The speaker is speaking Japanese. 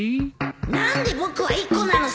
何で僕は１個なのさ